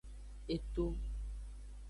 Eto.